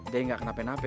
dek gak kenapa napa